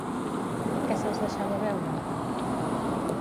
Què se'ls deixava veure?